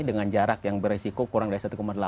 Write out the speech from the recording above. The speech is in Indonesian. dengan jarak yang beresiko kurang dari satu delapan